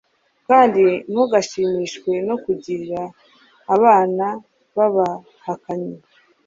kandi ntugashimishwe no kugira abana b'abahakanyi